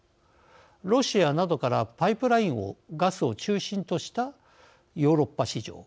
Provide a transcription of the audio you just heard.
ロシアなどからパイプラインガスを中心としたヨーロッパ市場。